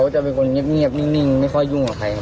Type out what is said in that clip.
จะเป็นคนเงียบนิ่งไม่ค่อยยุ่งกับใคร